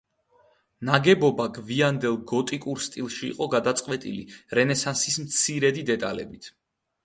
ნაგებობა გვიანდელ გოტიკურ სტილში იყო გადაწყვეტილი, რენესანსის მცირედი დეტალებით.